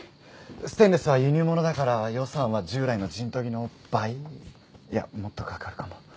ステンレスは輸入物だから予算は従来のジントギの倍いやもっとかかるかも。